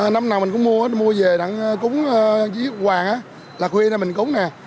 năm nào mình cũng mua mua về đặng cúng vía ngọc hoàng là khuya này mình cúng nè